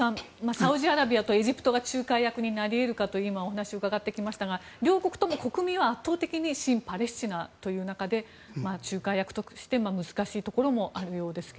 サウジアラビアとエジプトが仲介役になり得るかという今、お話を伺ってきましたが両国とも親パレスチナという中で仲介役として難しいところもあるようですが。